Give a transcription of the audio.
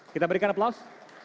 kita berikan aplaus